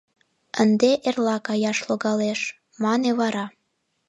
«Ынде эрла каяш логалеш», — мане вара.